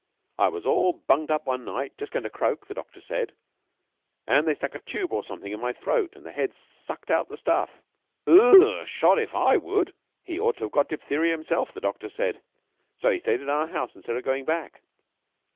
I was all bunged up one night just goin' to croak, the doctor said and they stuck a tube or somethin' in my throat, and the Head sucked out the stuff." "Ugh! 'Shot if I would!" "He ought to have got diphtheria himself, the doctor said. So he stayed on at our house instead of going back.